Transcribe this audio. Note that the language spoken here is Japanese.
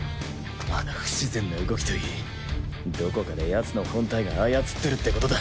あの不自然な動きといいどこかでヤツの本体が操ってるってことだ。